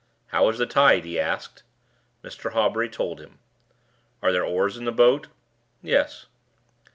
"How is the tide?" he asked. Mr. Hawbury told him. "Are there oars in the boat?" "Yes."